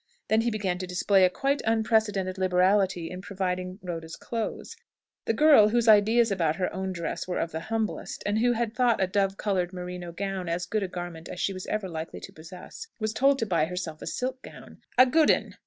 Then he began to display a quite unprecedented liberality in providing Rhoda's clothes. The girl, whose ideas about her own dress were of the humblest, and who had thought a dove coloured merino gown as good a garment as she was ever likely to possess, was told to buy herself a silk gown. "A good 'un.